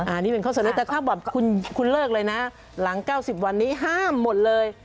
อันนี้เป็นข้อเสนอแต่ถ้าแบบคุณเลิกเลยนะหลัง๙๐วันนี้ห้ามหมดเลย